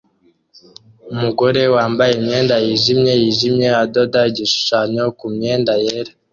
Umugore wambaye imyenda yijimye yijimye adoda igishushanyo kumyenda yera